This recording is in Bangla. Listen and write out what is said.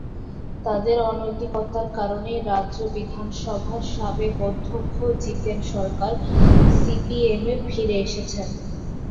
তাঁদের অনৈতিকতার কারণেই রাজ্য বিধানসভার সাবেক অধ্যক্ষ জীতেন সরকার সিপিএমে ফিরে এসেছেন।